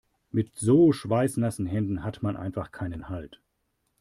Mit so schweißnassen Händen hat man einfach keinen Halt.